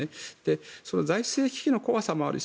その財政危機の怖さもあるし